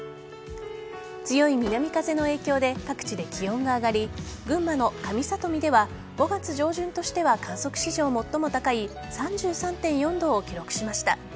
強い南風の影響で各地で気温が上がり群馬の上里見では５月上旬としては観測史上最も高い３３．４度を記録しました。